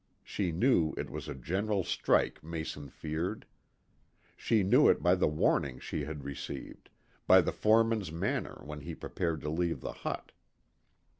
She knew it was a general strike Mason feared. She knew it by the warning she had received, by the foreman's manner when he prepared to leave the hut.